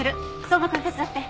相馬くん手伝って。